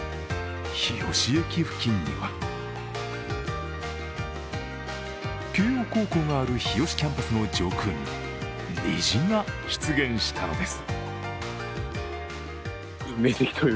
日吉駅付近では慶応高校がある日吉キャンパスの上空には虹が出現したのです。